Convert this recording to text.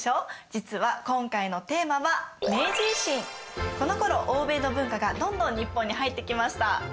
実は今回のテーマはこのころ欧米の文化がどんどん日本に入ってきました。